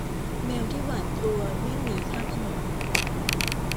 แมวที่หวาดกลัววิ่งหนีข้ามถนน